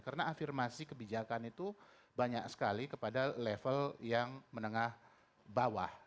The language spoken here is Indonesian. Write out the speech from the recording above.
karena afirmasi kebijakan itu banyak sekali kepada level yang menengah bawah